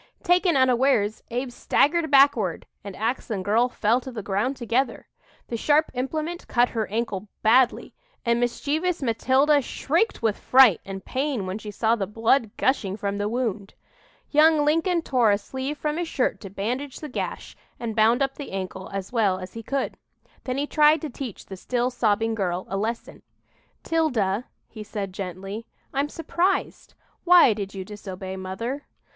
Taken unawares, Abe staggered backward and ax and girl fell to the ground together. The sharp implement cut her ankle badly, and mischievous Matilda shrieked with fright and pain when she saw the blood gushing from the wound. Young Lincoln tore a sleeve from his shirt to bandage the gash and bound up the ankle as well as he could. Then he tried to teach the still sobbing girl a lesson. "'Tilda," he said gently, "I'm surprised. Why did you disobey mother?"